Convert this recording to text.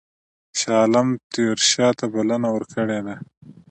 شاه عالم تیمورشاه ته بلنه ورکړې ده.